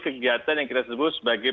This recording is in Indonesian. kegiatan yang kita sebut sebagai